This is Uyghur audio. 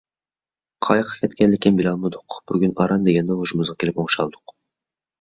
قاياققا كەتكەنلىكىنى بىلەلمىدۇق. بۈگۈن ئاران دېگەندە ھوشىمىزغا كېلىپ ئوڭشالدۇق.